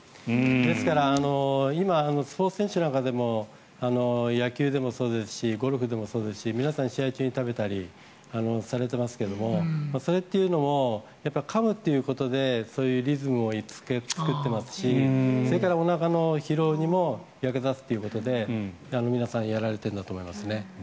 ですから今、スポーツ選手なんかでも野球でもそうですしゴルフでもそうですし皆さん、試合中に食べたりされてますけどそれというのも、かむことでそういうリズムを作ってますしそれからおなかの疲労にも役立つということで皆さん、やられているんだと思いますね。